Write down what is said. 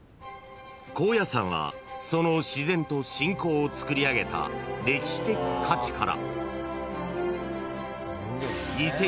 ［高野山はその自然と信仰をつくりあげた歴史的価値から］